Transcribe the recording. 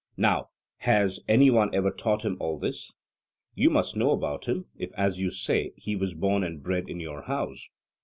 Now, has any one ever taught him all this? You must know about him, if, as you say, he was born and bred in your house.